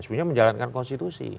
sebenarnya menjalankan konstitusi